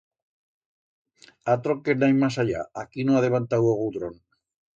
Atro que n'hai mas allá, allí no ha levantau o gudrón.